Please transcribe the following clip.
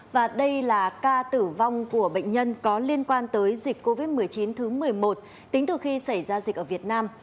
và đây là ca tử vong của bệnh nhân có liên quan tới dịch covid một mươi chín thứ một mươi một tính từ khi xảy ra dịch ở việt nam